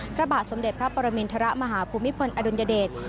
พระบาทสมเด็จพระปรมินทรมาฮภูมิพลอดุลยเดช